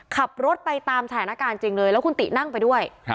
ขับรถไปตามฝากอย่างจริงแล้วคุณตินั่งไปด้วย